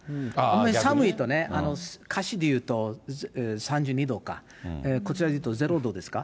寒いとね、華氏でいうと３２度か、こちらでいうと０度ですか。